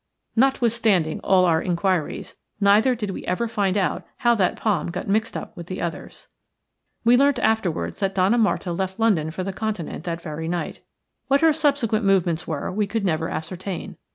Notwithstanding all our inquiries, neither did we ever find out how that palm got mixed up with the others. We learnt afterwards that Donna Marta left London for the Continent that very night. What her subsequent movements were we could never ascertain.